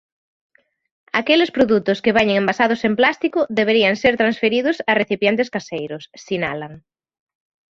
"Aqueles produtos que veñen envasados en plástico deberían ser transferidos a recipientes caseiros", sinalan.